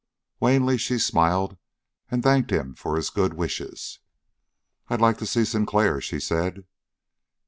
Wanly she smiled and thanked him for his good wishes. "I'd like to see Sinclair," she said.